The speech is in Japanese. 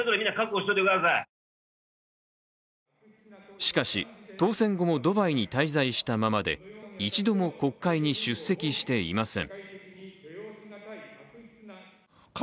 しかし、当選後もドバイに滞在したままで一度も国会に出席していません。